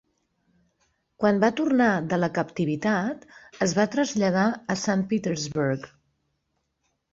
Quan va tornar de la captivitat, es va traslladar a Sant Petersburg.